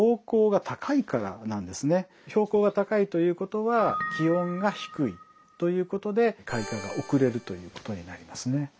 標高が高いということは気温が低いということで開花が遅れるということになりますね。